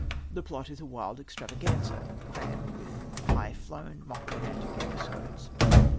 The plot is a wild extravaganza, crammed with high flown, mock romantic episodes.